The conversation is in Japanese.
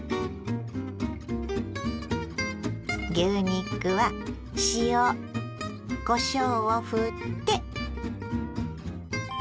牛肉は塩こしょうをふって。